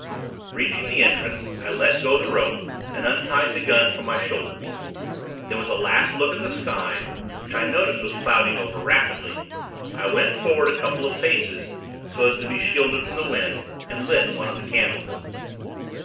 Reaching the entrance, I let go the rope, and untied the gun from my shoulders. Then, with a last look at the sky which I noticed was clouding over, rapidly I went forward a couple of paces, so as to be shielded from the wind, and lit one of the candles.